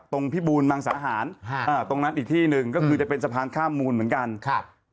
พิบูรมังสาหารตรงนั้นอีกที่หนึ่งก็คือจะเป็นสะพานข้ามมูลเหมือนกันครับ